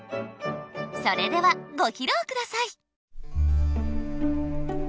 それではご披露下さい！